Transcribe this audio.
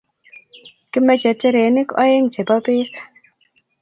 Kimache terenik oeng' chepo peek